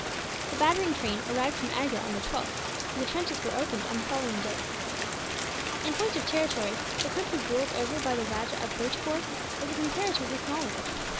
The battering train arrived from Agra on the 12th, and the trenches were opened on the following day. In point of territory, the country ruled over by the Rajah of Bhurtpoor was a comparatively small one.